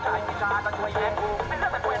ก็ยังมีปัญหาราคาเข้าเปลือกก็ยังลดต่ำลง